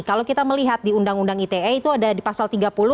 kalau kita melihat di undang undang ite itu ada di pasal tiga puluh